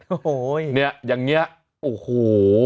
โอ้โหเนี่ยอย่างนี้โอ้โห